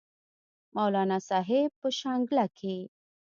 مولانا صاحب پۀ شانګله کښې